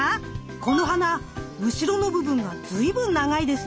この花後ろの部分が随分長いですね。